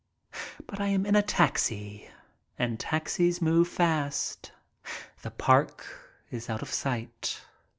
But I am in a taxi. And taxis move fast. The park is out of sight.